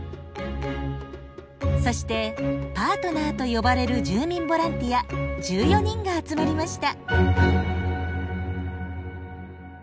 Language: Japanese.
そしてパートナーと呼ばれる住民ボランティア１４人が集まりました。